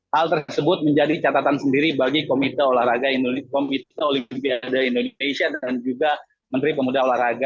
hal tersebut menjadi catatan sendiri bagi komite komite olimpiade indonesia dan juga menteri pemuda olahraga